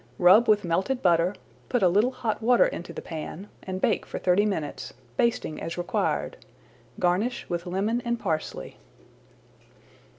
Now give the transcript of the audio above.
Rub with melted butter, put a little hot water into the pan, and bake for thirty minutes, basting as required. Garnish with lemon and parsley.